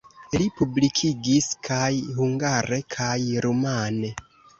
Li publikigis kaj hungare kaj rumane.